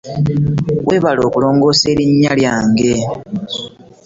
Webale okulongosa erinnya lyange.